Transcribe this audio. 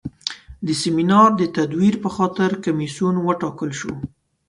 د سیمینار د تدویر په خاطر کمیسیون وټاکل شو.